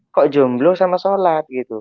kok jumblo sama sholat